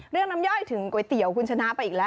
น้ำย่อยถึงก๋วยเตี๋ยวคุณชนะไปอีกแล้ว